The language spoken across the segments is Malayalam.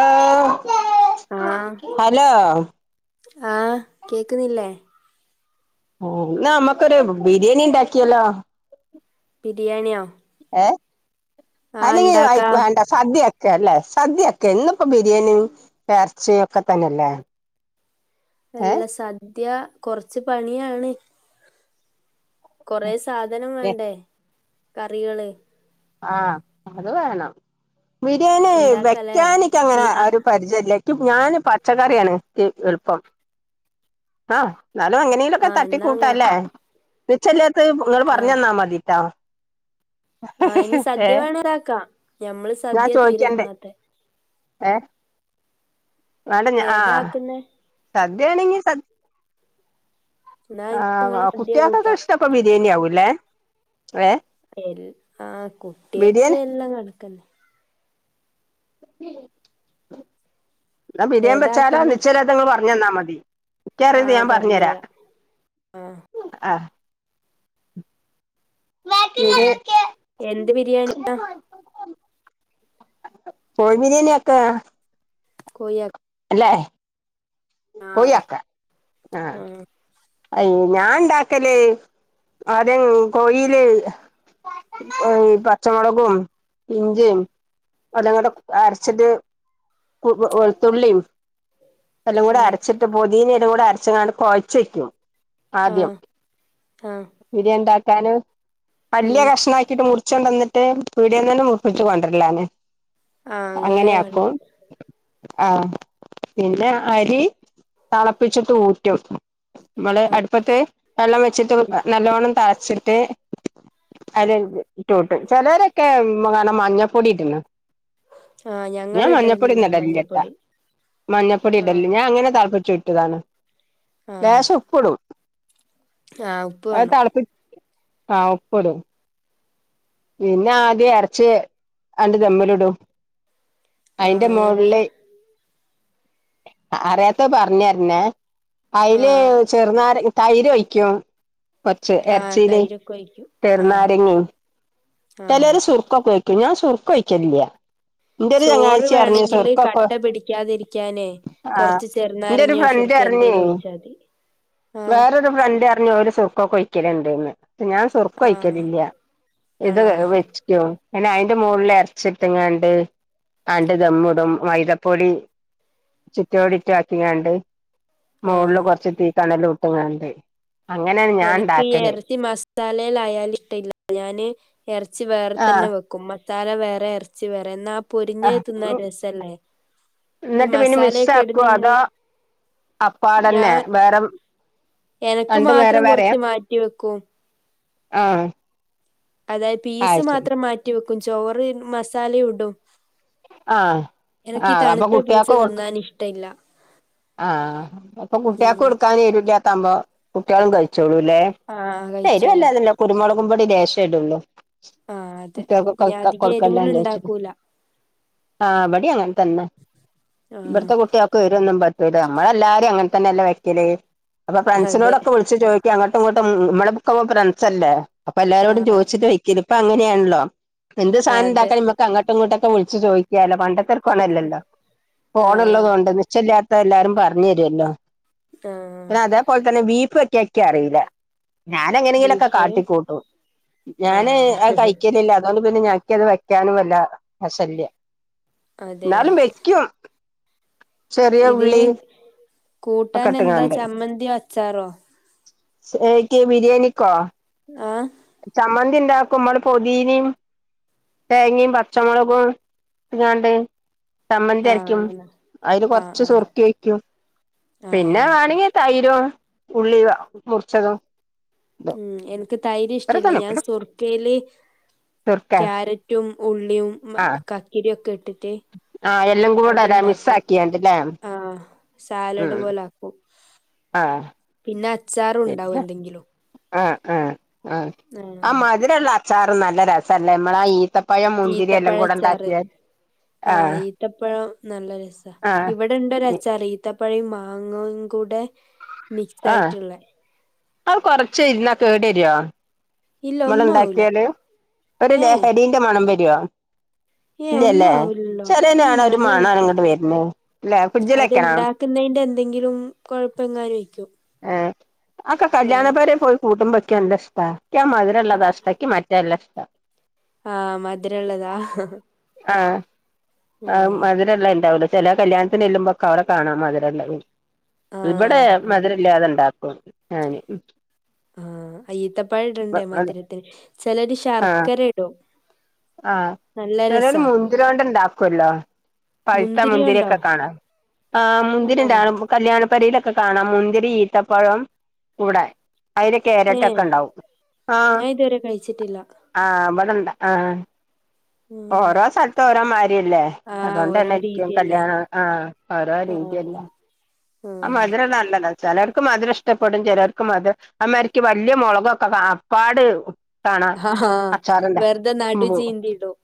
ആഹ് ആഹ് ഹലോ ആഹ് കേക്കുന്നില്ലേ? ഓഹ് ന്നാ മ്മക്കൊരു ബിരിയാണിണ്ടാക്കിയാലോ? ബിരിയണിയോ? ഏഹ് അല്ലെങ്കില് വയ് ഇണ്ടാക്കാ വേണ്ട സദ്യാക്കാല്ലേ? സദ്യാക്കാ ഇന്നിപ്പോ ബിരിയാണിയും എർച്ചീ ഒക്കെ തന്നെയല്ലേ? എല്ല ഏ സദ്യ കൊറച്ച് പണിയാണ്. കൊറെ സാധനം വേണ്ടേ? കറികള് ആഹ് അത് വേണം. ബിരിയാണി ഇണ്ടാക്കലേ ഉം വെക്കാനിക്കങ്ങനെ ആ ആഹ് ഒരു പരിചല്ല ഞാന് പച്ചക്കറിയാണ് ക്ക് എളുപ്പം ആഹ് ന്നാലും എങ്ങനേങ്കിലൊക്കെ ആഹ് എന്നാ തട്ടിക്കൂട്ടാല്ലേ? അങ്ങനാക്കാം നിച്ചല്ലാത്തത് ങ്ങള് ആഹ് പറഞ്ഞന്നാ മതിട്ടാ ഇഞ്ഞി സദ്യ വേണതാക്കാം. ഞമ്മള് സദ്യ തിന്നാത്തേ ഏഹ് അല്ല ഞ ആ ഏതാക്കുന്നെ സദ്യയാണെങ്കി സ എന്നാ ആഹ് വാ നിങ്ങള് സദ്യ കുട്ട്യാൾക്കൊക്കെ കൂട്ടാ ഇഷ്ടപ്പോ ബിരിയാണി ആവൂല്ലേ? ഏഹ് എൽ ആഹ് കുട്ട്യേക്ക് എല്ലാം കണക്കന്നെ ന്നാ ബിരിയാൻ വെച്ചാല ഏതാക്കുന്നെ നിച്ചല്ലാത്തത് ങ്ങള് പറഞ്ഞന്നാ മതി. എനിക്കറിയുന്നത് ആഹ് പറഞ്ഞരാ ആഹ് ആഹ് ഉം ഇത് എന്ത് ബിരിയാണ്യ? കോഴി ബിരിയാണി ആക്കാ കോയാ ല്ലേ? കോയി ആഹ് ആക്കാ ആഹ് അയ്യോ ഞാൻണ്ടാക്കല് ആദ്യം കോയില് പച്ചമളകും ഇഞ്ചിം അതങ്ങടെ അരച്ചത് ക്ക് വെളുത്തുള്ളിം എല്ലാം കൂടി ആഹ് അരച്ചിട്ട് പുതീനേം ഇതും കൂടെ അരച്ചങ്ങാട് കൊഴച്ചയ്ക്കും ആദ്യം ആഹ് ആഹ് ബിരിയാണ്ടാക്കാനും വല്യേ ഉം കഷ്ണാക്കീട്ട് കൊണ്ടന്നിട്ട് പീടിയേന്നന്നെ മുറിപ്പിച്ച് കൊണ്ടരലാണ്. ആഹ് അങ്ങനെ അങ്ങനെയാക്കും വേണ്ടേ ആഹ് പിന്നെ അരി തളപ്പിച്ചിട്ട് ഊറ്റും നമ്മള് അടുപ്പത്ത് വെള്ളം വെച്ചിട്ട് നല്ലവണ്ണം തളച്ചിട്ട് അയിലൊഴിക്കും. ന്ന്ട്ട് ഊറ്റും ചെലരൊക്കെ കാണാം മഞ്ഞപ്പൊടി ഇടുന്ന്. ആഹ് ഞാൻ ഞങ്ങള് ഇടലില്ല മഞ്ഞപ്പൊട്യൊന്നും ഇടലില്യാട്ടോ മഞ്ഞപ്പൊടി മഞ്ഞപ്പൊടി ഇടല്. ആഹ് ഞാൻ അങ്ങനെ തളപ്പിച്ചുറ്റലാണ്. ആഹ് ലേശു ആഹ് ഉപ്പ് അത് വേണം തളപ്പി ആഹ് ഉപ്പ്ടും പിന്നെ ആദ്യ എറച്ചി അങ്ങ്ട് ദമ്മില് ഇടും അയിന്റെ ആഹ് ഞങ്ങള് മോളില് അറിയാത്തത് പറഞ്ഞരണേ അയില് ആഹ് തൈര് ഒഴിക്കും. കൊറച്ച് ആഹ് ഇറച്ചില്. തൈരൊക്കെ ഒഴിക്കും ആഹ് ചെറുനാരങ്ങിം ആഹ് ചെലോര് ശുർക്ക ഉപയോഗിക്കും. ഞാൻ ശുർക്ക ഒഴിക്കലില്ല എന്റെ ഒരു ചോറ് ചങ്ങാഴ്ചി അറിഞ്ഞു വേണങ്കില് സുർക്കൊക്കെ കട്ട പിടിക്കാതിരിക്കാനേ ആ കൊറച്ച് എന്റെ ഒരു ചെറുനാരങ്ങോ ഫ്രണ്ട് ശുർക്കേയോ അറിഞ്ഞേ എന്തേലും ഒയിച്ചാതി വേറൊരു ഫ്രണ്ടറിഞ്ഞു ഓര് സുർക്കൊക്കെ ഒഴിക്കലുണ്ടന്ന് ഞാൻ സുർക്ക ആഹ് ഒഴിക്കലില്ല. ഇത് ആണോ വെച്ച്ക്കോ പിന്നെ അയിന്റെ മോളില് എറച്ചിട്ടെങ്ങാണ്ട് അണ്ട് ദമ്മിടും മൈദപ്പൊടി ചുറ്റോടിറ്റുവാക്കിങ്ങാണ്ട് മോളില് ആഹ് കൊറച്ച് തീക്കനലുട്ടങ്ങാണ്ട് എനക്ക് ഈ എറച്ചി മസ്താലേലായാല് ഇഷ്ടല്യാ. ഞാന് എറച്ചി ആ വേറതന്നെ വെക്കും. കുമ്മത്താല വേറെ എറച്ചി വേറെ എന്നാ പൊരിഞ്ഞെ തുന്നാൻ രസല്ലേ ഈ എന്നിട്ട് പിന്നെ മിക്സ് ആക്കുവോ അതോ മസാലയൊക്കെയെടുന്നെങ്ങ് ഞാ അപ്പാടന്നെ വേറെ എനക്ക് രണ്ടും വേറെ മാത്രം കൊറച്ച് മാറ്റിവെക്കും ആഹ അതായത് പീസ് മാത്രം മാറ്റി വെക്കും ചോറ് മസാലിയിടും ആഹ ആഹ അപ്പൊ പീസ് കുട്ടിയാക്കെ കൊ തിന്നാൻ ഇഷ്ടല്ല ആഹ അപ്പൊ കുട്ടിയാക്ക് ഉം കൊടുക്കാനെരുല്ല വുമ്പോ കുട്ട്യാളും കഴിച്ചോളൂലെ ആഹ് ക്ഷെ കഴിച്ചോളൂ എരുവെല്ലാതില്ല കുരുമൊളകും പൊടി ലേശെടൊള്ളൂ ആഹ് അതെ ഞാൻ കുട്ട്യാൾകൊക്കെ അധികം എരിവില് കൊടുക്കണ്ടെജാരിച്ചിട്ട് ഇണ്ടാക്കൂല ആഹ് ഇബടീം അങ്ങൻതന്നെ ആഹ് ഇവട്ത്തെ കുട്ടിയ ക്കെരൊന്നും പറ്റൂല്ല നമ്മളെല്ലാരും അങ്ങൻതന്നെല്ലെ വെക്കല് അപ്പൊ അതെ ഫ്രണ്ട്സിനോടൊക്കെ വിള്ച്ചു ചോയ് ട്കെ അങ്ങട്ട്ങ്ങെട്ടും മ്മളെക്കെപ്പം ഫ്രണ്ട്സല്ലേ അപ്പെല്ലാരോടും ആഹ് ചോയ്ച്ചിട്ടാ വെക്കല് ഇപ്പങ്ങെന്യാണല്ലോ എന്ത് അതെ സാധനണ്ടാക്കാണെ മ്മക്കങ്ങട്ട്ങ്ങോട്ടൊക്കെ വിള്ച്ച് ചോയ്ക്കാലോ പണ്ട ത്തോർക്കോന്നലല്ലോ ആഹ് ഫോണ്ള്ളതൊണ്ട് നിച്ചെല്ലാത്തെല്ലാരും പർഞെരല്ലോ പിന്നെ ആഹ് അതേപോൽതന്നെ ബീഫ് വെക്‌യാക്ക്യറീല്ല ഞാനെങ്ങനെങ്കിലൊക്കെ ബീഫ് കാട്ടിക്കൂട്ടും ഞാന് അഹ് ആഹ് കഴിക്കലില്ല അതോണ്ട് പിന്നെ ഞാ ഇക്ക്യയത് വെക്കാനുംവല്ല വശല്യ അതെ ന്നാലും വെക്‌യും ഇതിന് ഒക്കെ കൂട്ടാനെന്താ ഇട്ട്ങ്ങാണ്ട് ചമ്മന്തിയൊ അച്ചാറോ? എയ്ക്ക് ബിരിയാണിക്കോ? ആഹ് ചമ്മന്തിണ്ടാക്കും മ്മള് പൊതീനിം തേങ്ങിം പച്ചമൊളകും ഇട്ട്കാണ്ട് ആഹ് ചമ്മന്തിയരക്കും അങ്ങനെ അയില് ആഹ് കൊർച്ച് ആഹ് സുർക്കെയ്ക്കും ആഹ് പിന്നെ അങ്ങനെ തന്നെ വാണെങ്കി തൈരും ഉള്ളി മുർച്ചതും ഉം എനക്ക് തൈര് ഇഷ്ട്ടെല്ല ഞാൻ സുർക്കയ്ല് സുർക്ക കാര റ്റും ഉള്ളിയും മ ആഹ് കക്കെരെക്കെട്ടിട്ട് ആഹ് എല്ലാം കൂടെ അല്ലേ മിക്സ് അത്ണ്ടാക്കും ആക്കിയാണ്ട്ല്ലേ ആഹ് സാലഡ് ഉം പോല ആഹ് പിന്നെ പിന്നെ അച്ചാറുണ്ടാവുന്തെങ്കിലും ആഹ് ആഹ് ആഹ് ആ ആഹ് മധ്‌രെള്ളച്ചാറും നല്ല രസല്ലെ മ്മള ഈത്ത ഈത്തപഴച്ചാറ് ആഹ് ഈത്തപ്പഴം നല്ലരസ ആഹ് ഇവടെണ്ടൊരച്ചാറ് ഈ ത്തപ്പയും മാങ്ങംകൂടെ മിക്സായിറ്റ്ള്ളെ അഹ് കൊർച്ചെര്ന്നാ കേടെരോ? ഇല്ല ഒന്നും ആവൂല മ്മള്ണ്ടാക്കിയാല് ഒരു ഏഹ് ലഹരിന്റെ മണം വെരോ? ഏഹ് ഒന്നും ഇല്ല്യല്ലേ ആവൂലല്ലോ ഉം ചെലേനാണാ ഒരു നല്ല രസാ മണാണ്ങ്ങെട്ടെവെര്ന് ല്ലെ ഫ്രിഡ്ജിലെക്കണൊ? ക്കുന്നെന്റെന്തെങ്കിലും കൊഴപ്പെങ്ങാനെയ്ക്കും ഏഹ് അഹ്ക്കെ കല്യാണ പേരെപോയി കൂട്ടുമ്പോ ഇക്ക്യല്ലഷ്ടാ ഇക്ക്യാ മധുരള്ളതാഷ്ട്ടം ഇക്കിമറ്റേല്ലഷ്ട്ടം ആഹ് മധ്‌രെള്ളതാ? ആഹ് ആഹ് മധ് രെള്ളെണ്ടാവൂലെ? ചെലെ കല്യാണത്തിനെല്ലുമ്പൊക്കവിടെ കാണാ മധ് രള്ളത് ആഹ് ഇവടെ അവിടെ മധ് കാണാം രല്ലാതെണ്ടാക്കും ഞാന് ഈത്തപഴടെണ്ടേ മധുരത്തിന് ചെലര് ആഹ് ശർക്കെരെടും ആഹ് ചെലോല് മുന്തിരിയോണ്ട്ണ്ടാക്കൊല്ലോ? പഴുത്ത മുന്തിരിയുണ്ടോ മുന്തിരിയൊക്കെ കാണാം ആഹ് ആണോ മുന്തിരിന്റാള് കല്യാണപ്പെരിലൊക്കെ കാണാം മുന്തിരി, ഈത്തപ്പഴം കൂടെ അയ്ല് ഏഹ് കേരറ്റൊക്കെണ്ടാവും ആഹ് ഞാൻ ഇതുവരെ കഴിച്ചിട്ടില്ല ആഹ് ഇവടെണ്ട് ആഹ് ഉം ഓരോ സെൽത്ത് ഓരോ മാരിയെല്ലേ? ആഹ് ഓരോ അതൊണ്ടന്നെരിക്കും രീതിയല്ലേ കല്യാണം ആഹ് ഓരോ ആഹ് രീതിയല്ലെ ആഹ് മധ് രള്ളനല്ലെല്ലെ ചെലർക്ക് മധ്‌രഷ്ട്ടപ്പെടും ചെലർക് മധ് അമാര്ക്ക് വല്യ മൊളകൊക്കെ പ്പാട് കാണാ ആഹാ അച്ചാറണ്ടെ വെറുതെ നടു ഉ ചീന്തിടും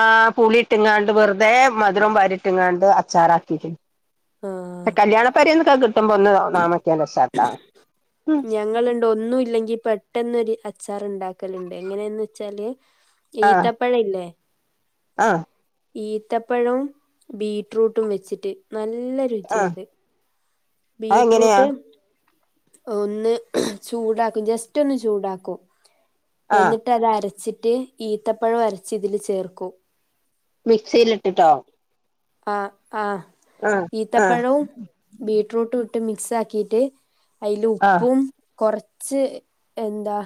ആഹ് പുളിട്ട്ങ്ങാണ്ട് വെറുതെ മധുരം വാരിട്ടിങ്ങാണ്ട് അച്ചാറാക്കിട്ട് ആഹ് കല്യാണപെരേന്നൊക്കെ കിട്ടുമ്പോ ഒന്ന് നാമക്ക്യാ രസാട്ടോ ഞങ്ങള്ണ്ട് ഒന്നുംല്ലെങ്കി പെട്ടെന്നൊരു അച്ചാറുണ്ടാക്കല്ണ്ട് എങ്ങനെന്നച്ചാല് ഈത്തപ്പഴം ഇല്ലേ ആഹ് ഈത്തപ്പഴവും ബീട്ട്റൂട്ടും വെച്ചിട്ട് നല്ല ആ രുചിയ അത് അതെങ്ങനെയാ ബീറ്റ്റൂട്ട് ഒന്ന് ചൂടാക്കും. ജസ്റ്റ് ഒന്ന് ചൂടാക്കും. ആ എന്നി ട്ട് അരച്ചിട്ട് ഈത്തപ്പഴം അരച്ച് ഇതില് ചേർക്കും. മിക്സില് ഇട്ടിട്ടോ? ആഹ് ആഹ് ആ ആ ഈത്തപ്പഴോം ബീറ്റ്റൂട്ടും ഇട്ട് മിക്സ് ആക്കിയിട്ട് അയില് ആ ഉപ്പും കൊറച്ച് എന്താ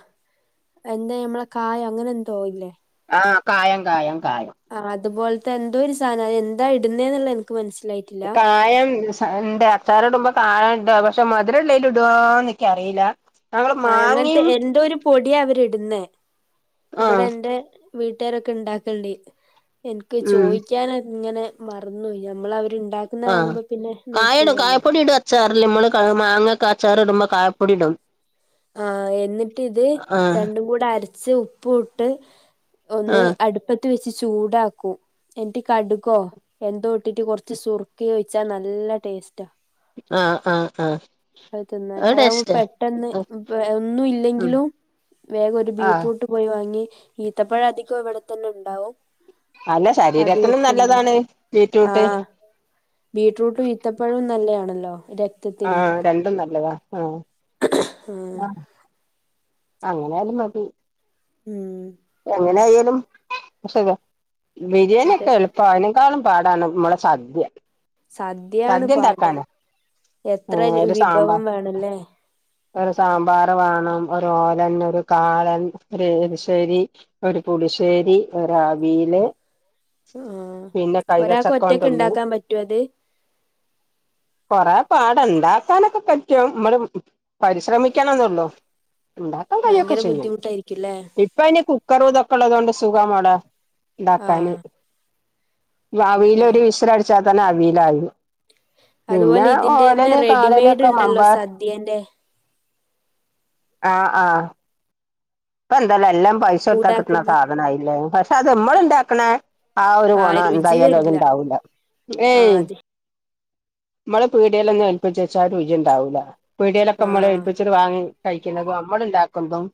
എന്താ നമ്മളെ കായോ? അങ്ങനെ എന്തോ ഇല്ലേ? ആഹ് കായം കായം കായം. ആഹ് അതുപോലത്തെ എന്തോ ഒരു സാധനം. അത് എന്താ ഇടുന്നേന്നുള്ള എനിക്ക് മനസ്സിലായിട്ടില്ല. കായം ഉണ്ട്. അച്ചാറ് ഇടുമ്പോ കായം ഇടോ. പക്ഷെ മധുരം ഉള്ളേല് ഇടുവോന്ന് എനിക്ക് അറിയില്ല. ഞങ്ങള് ആഹ് അങ്ങനത്തെ മാങ്ങേം എന്തോ ഒരു പൊടിയാ അവരിടുന്നേ. ആ ഇവിടെ എൻ്റെ വീട്ടുകാരൊക്കെ ഉണ്ടാക്കലിണ്ട് എനിക്ക് ഉം ചോദിക്കാന് ഇങ്ങനെ മറന്നുപോയി. ഞമ്മള് അവര് ഉണ്ടാ ക്കുന്ന കാണുമ്പോ പിന്നെ നോക്കൂലല്ലോ. ചേറിലമ്മള് മാങ്ങൊക്കെ അച്ചാറിടുമ്പോ കായപ്പൊടി ഇടും. ആഹ് എന്നിട്ട് ഇത് ആ രണ്ടും കൂടെ അരച്ച് ഉപ്പും ഇട്ട് ആ ഒന്ന് അടുപ്പത്ത് വെച്ച് ചൂടാക്കും. എന്നിട്ട്കടുകോ എന്തോ ഇട്ടിട്ട് കുറച്ച് സുറുക്കിയേം ഉഴിച്ചാ നല്ല ടേസ്റ്റാ. ആ ആ ആ ഇപ്പ തിന്നാൻ. അത് അതാവുമ്പോ ടേസ്റ്റാ പെട്ടെന്ന് അപ്പെ ഒന്നും ഉം ഇല്ലെങ്കിലും വേഗം ഒരു ആഹ് ബീട്രൂട്ട് പോയി വാങ്ങി ഈത്തപ്പഴം അധികം ഇവിടെത്തന്നെ ഉണ്ടാവും. അല്ല അത് ശരീരത്തിനും നല്ലതാണ് വെച്ചുണ്ടാക്കും ബീട്രൂട്ട്. ബീട്രൂട്ടും ഇത്തപ്പഴവും നല്ലതാണല്ലോ. രക് ആഹ് രണ്ടും നല്ലതാ. ആഹ് ആഹ് ആ അങ്ങനായാലും മതി. ഉം എങ്ങനെ ആയാലും പക്ഷേ ബിരിയാണി ഒക്കെ അതെ എളു ഇപ്പ അയനേക്കാളും പാടാണ് നമ്മളെ സദൃ. സദ്യ ആ ണ് പാട്. എത്ര ആഹ് ഒരു വിഭവം സാമ്പാർ വേണല്ലേ. ഒരു സാമ്പാർ വാണം ഒരു ഓലൻ, ഒരു കാളൻ, ഒരു എരിശ്ശേരി ഒരു പുളിശ്ശേരി, ഒരു അവിയല് ആഹ് പിന്നെ ഒരാൾക്ക് കൈതച്ചക്ക ഒറ്റക്ക് കൊണ്ടന്നു. ഇണ്ടാക്കാൻ പറ്റോ അത് കൊറേ പാട് ഉണ്ടാക്കാനൊക്കെ പറ്റും. നമ്മള് പരിശ്രമിക്കണന്നൊള്ളൂ. ഉണ്ടാക്കാൻ കഴിയൊക്കെ ഭയങ്കര ചെയ്യും. ബുദ്ധിമുട്ടായിരിക്കുംല്ലേ ഇപ്പ അതിന് കു ക്കറും ഇതൊക്കെ ഉള്ളതുകൊണ്ട് സുഖാ മോളെ ഉണ്ടാക്കാന്. ആഹ് അവിയല് ആഹ് ഒരു വിസൽ അടിച്ചാ തന്നെ അവിയലായി അതുപോലെ പിന്നെ ഇതിന്റെ തന്നെ ഓലന്, റെഡിമെയ്ഡ് കാളനൊക്കെ ഉണ്ടല്ലോ മമ്പയ സദ്യേന്റെ ആഹ് ആഹ്. ഇപ്പ എന്താണ് എല്ലാം പൈസ കൊടുത്താ കിട്ടണ ചൂടാക്കുന്ന സാധനായില്ലേ. പക്ഷെ അത് മ്മള് ഉണ്ടാക്കണ ആ ഒരു ആഹ് ഗുണം രുചി എന്തായാലും അത് വരില്ല ഉണ്ടാവൂല. ഏയ് ആഹ് അതെ മ്മള് പീടിയേലൊന്നും ഏൽപ്പിച്ചേച്ചാ ആ രുചി ഉണ്ടാവൂല്ല. പീടിയിലൊക്കെ നമ്മള് ആഹ് ഏൽപ്പിച്ച് ഇത് വാങ്ങി കഴിക്കണത് നമ്മള് ഇണ്ടാകുബം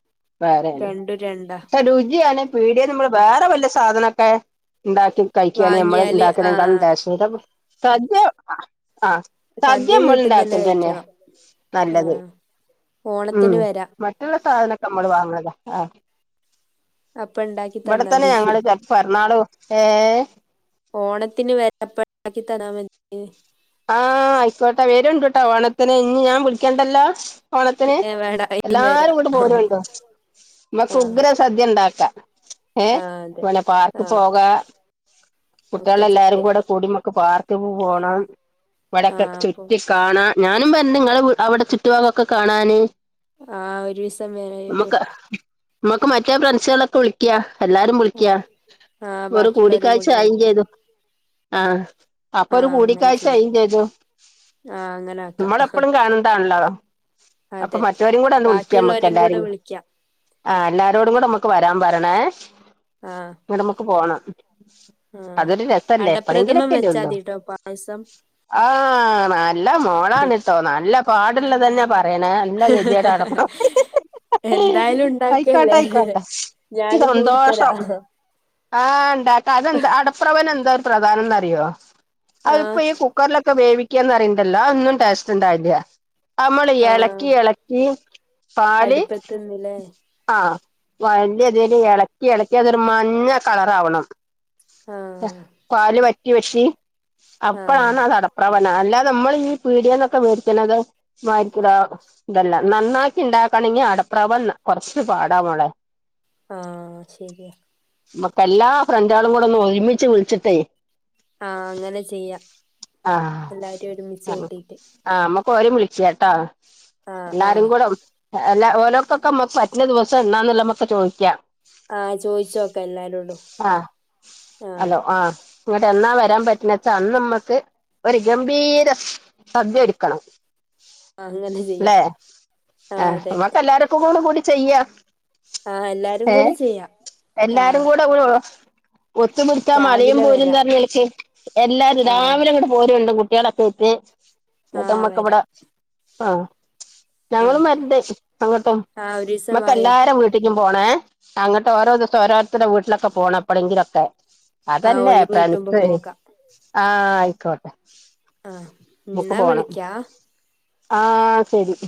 വേറെണ് രണ്ടും രണ്ടാ പക്ഷെ രുചിയാണ് പീടിയേന്ന് നമ്മള് വേറെ വെല്ല സാധനൊക്കെ ഇണ്ടാക്കി കഴിക്കയാണെങ്കിൽ നമ്മള് വാങ്ങിയാല് ഉണ്ടാക്കണെക്കാളും ആഹ് ടെസ്റ്റക്കാരം സദ്യ ആഹ് ആഹ് സദ്യ ഇമ്മള് വീട്ടിന്ന് തന്നെ ഇണ്ടാക്കണത് തെന്നെ കഴിക്കണം നല്ലത് ആഹ് ഓണത്തിന് വരാം മം റ്റുള്ള സാധനൊക്കെ ഇമ്മള് വാങ്ങണതാ ആഹ് അപ്പ ഇണ്ടാക്കി ഇവിടെത്തന്നെ തന്നാതി ഞങ്ങള് ചെ പിറന്നാളു ഏഹ് ഓണത്തിന് വരാം അപ്പെ ഉണ്ടാക്കി തരാൻ പറ്റിനി ആഹ് ആയിക്കോട്ടെ വരോണ്ടുട്ടോ ഓണത്തിന് ഇനി ഞാൻ വിളിക്കണ്ടല്ലാ. ഓണത്തിന് ഏഹ് വേണ്ട ഇനി വരാ എല്ലാരും ഇങ്ങോട്ട് പോരോണ്ടു ഇമ്മക്ക് ആഹ് ഉഗ്ര സദ്യ ഇണ്ടാക്കാ ഏഹ് ആഹ് അതെ വാണേ പാർക്ക് ആഹ് പോക ഒക്കെ കുട്ട്യാള് എല്ലാരും ചെയ്യാം കൂടെ കൂടി ഇമ്മക്ക് പാർക്ക് പോണം ഇവിടെക്കെ ആഹ് ചുറ്റി പോകാം കാണാ ഞാനും വെര്ന്റ് ഇങ്ങളെ കൂ അവിടെ ചുറ്റു ഭാഗൊക്കെ കാണാന് ആഹ് ഒരീസം വരൂ ഇമ്മക്ക് ആഹ് ഇമ്മക്ക് മറ്റേ ഫ്രൺസളൊക്കെ വിളി ക്യാ എല്ലാരും വിളിക്ക്യ ആഹ് ആഹ് ഒരു ബാക്കിയുള്ളവരും കൂടിക്കാഴ്ച കൂടെ ആയി വിളിക്കാം ചെയ്തു ആഹ് അപ്പൊ ഒരു ആഹ് അങ്ങനെ കൂടിക്കാഴ്ച്ച് ച്ച ചെയ്യാം ആയും ചെയ്തു ആഹ് അങ്ങനെ ആക്കാം നമ്മള് എപ്പളും കാണണ്ടാണല്ലോ അപ്പൊ മറ്റോരും കൂടെ അന്ന് വിളിക്കാം നമ്മക്ക് എല്ലാരി കൂടെ ക്യാ ആഹ് എല്ലാരോടും കൂടെ ഇമ്മക്ക് വരാൻ പറണേ ആഹ് ങ്ങട്ട് അമ്മക്ക് പോണം ആഹ് അതൊരു രസല്ലേ അടപ്രഥമൻ എപ്പളേങ്കിലൊക്കെല്ലേ ഒള്ളൂ വെച്ചാതിട്ടോ പായസം ആഹ് നല്ല മോളാണിട്ടോ നല്ല പാടുള്ളതനന്നെ പറയണേ നല്ല ഗതിയെടാണപ്പം എന്തായാലും ഉ അയിക്കോട്ടെ അയിക്കോട്ടെ ഇക്ക് കൂടിത്തരാ സന്തോഷം ആഹ് ഇണ്ടാക്ക അതെന്താ അടപ്രവൻ എന്താ ഒരു പ്രധാനം ന്നറിയോ ആഹ് അതിപ്പോ ഈ കു ക്കറിലൊക്കെ വേവിക്കാന്ന് പറിയിണ്ടല്ലോ അതൊന്നും ടേസ്റ്റ് ഉണ്ടയില്ല അമ്മള് ആഹ് എളക്കി എളക്കി പാല് ണ്ല്ലേ ആഹ് വല്ല്യ ഇതില് എളക്കി എളക്കി അതൊരു മഞ്ഞ കളറാവണം ആഹ് പല് വറ്റി വറ്റി അപ്പഴാണ് ആഹ് അടപ്ര പ്രവണ അല്ലതെ ഇമ്മള് ഈ പീടിയന്നൊക്കെ വേടിക്കുന്നത് മാരിക്കിലാകും ഇതല്ല നന്നാക്കി ഇണ്ടാക്കണെങ്കി അടപ്രവൻ കൊറച്ച്പാട മളെ ആഹ് ശരിയാ മ്മക്ക് എല്ലാ ഫ്രണ്ടആളും കൂടെ ഒന്ന് ഒരുമിച്ച് വിളിച്ചിട്ടേയ് ആഹ് അങ്ങനെ ചെയ്യാം ആഹ് എല്ലാരും ഒരുമിച്ച് ആഹ് കൂട്ടിട്ട് ആഹ് അമ്മക്ക് ഓലിം വിളിച്ചട്ടോ ആഹ് എല്ലാരും ആഹ് കൂടെ എല്ല ഓലോർക്കൊക്കെ മ്മക്ക് പറ്റുന്ന ദിവസം എണ്ണന്നുള്ളെ മ്മക്ക് ചോയ്ക്കാം ആഹ് ചോയിച്ചോക്ക എല്ലാരോടും ആഹ് ആഹ് ഇങ്ങട്ട് എന്നാ വരാൻ പറ്റുണച്ചാ അന്ന് ഇമ്മക്ക് ഒര് ഗംഭീര സദ്യ ഒരുക്കണം അങ്ങനെ ചെയ്യാം ലെ ആഹ് ഇമ്മക്ക് എല്ലാവര്ക്കുംകൂടെ ചെയ്യാം ആഹ് എല്ലാരും കൂടെ ഏഹ് ചെയ്യാം എല്ലാരും ആഹ് കൂടെ ഒയോ ഒത്തുപിടുത്താ മലയും രാവിലെ പോരും എന്ന് വരാം പറന്നില്ലേ ച്ചിയെ എല്ലാരും ആഹ് രാവിലെ ഇങ്ങട്ട് പോരുണ്ട് കുട്ട്യാളൊക്കായ്റ്റ് ഇന്നിട്ട് ആഹ് നമ്മക് ഇബടെ വരാം ആഹ് ആഹ് ഞങ്ങളും വര്ന്റ് അങ്ങ്ട്ടും ആഹ് ഒരീസം ഇമ്മക്ക് വായോ എല്ലാരെ വീ ട്ടിക്കും പോണേ അങ്ങട്ട് ഓരോ ദിവസം ഓരോർത്തരുടെ വീട്ടിലൊക്കെ പോണം എപ്പളങ്കിലൊക്കെ ആഹ് അതല്ലേ ഒഴിവ് കിട്ടുമ്പോ ഫ്രണ്ട്സ് പോകാം ആഹ് ആയിക്കോട്ടെ ആഹ് ഇമ്മക്ക് എന്നാ പോണം വിളിക്കാ ആഹ് ശെരി ശെരി